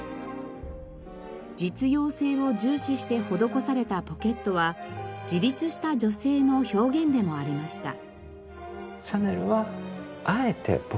実用性を重視して施されたポケットは自立した女性の表現でもありました。